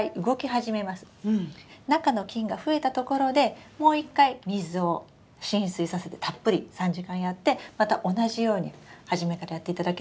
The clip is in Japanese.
中の菌が増えたところでもう一回水を浸水させてたっぷり３時間やってまた同じように初めからやっていただければ出てくるかも。